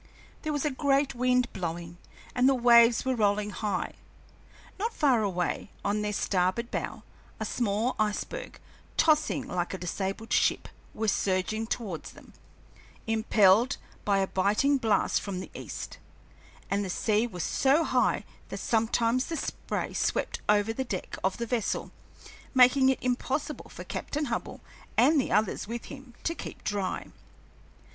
There was a great wind blowing, and the waves were rolling high. Not far away, on their starboard bow, a small iceberg, tossing like a disabled ship, was surging towards them, impelled by a biting blast from the east, and the sea was so high that sometimes the spray swept over the deck of the vessel, making it impossible for Captain Hubbell and the others with him to keep dry.